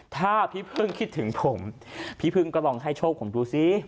ถ้าพี่พึ่งคิดถึงผมพี่พึ่งก็ลองให้โชคผมดูสิ